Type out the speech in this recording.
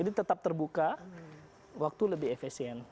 jadi tetap terbuka waktu lebih efisien